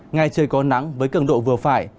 ngày trời còn nắng với cường độ vừa phải